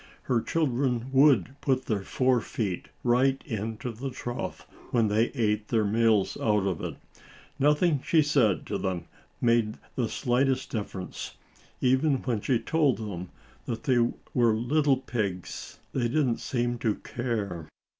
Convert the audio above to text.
Her children would put their fore feet right into the trough when they ate their meals out of it. Nothing she said to them made the slightest difference. Even when she told them that they were little pigs they didn't seem to care.